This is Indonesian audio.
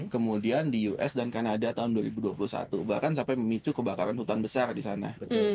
kemudian di us dan kanada tahun dua ribu dua puluh satu bahkan sampai memicu kebakaran hutan besar di sana